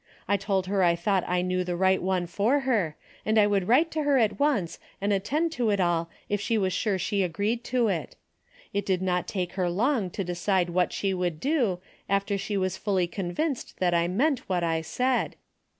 I told her I thought I knew the right one for her, and I would write to her at once and attend to it all if she was sure she agreed to it. It did not take her long to decide what she would do after she was fully convinced that I meant what I said.